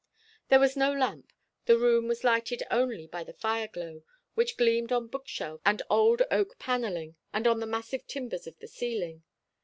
There was no lamp. The room was lighted only by the fire glow, which gleamed on bookshelves and old oak panelling, and on the massive timbers of the ceiling.